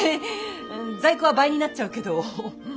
在庫は倍になっちゃうけど。